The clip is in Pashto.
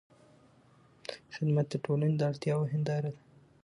خدمت د ټولنې د اړتیاوو هنداره ده.